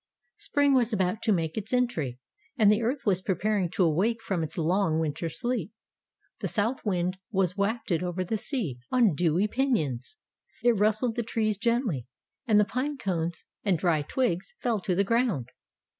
Spring was about to make its entry, and the Earth was preparing to awake from its long winter sleep. The South wind was wafted over the sea, on dewy pinions. It rustled the trees gently, and the pine cones and dry twigs fell to the ground.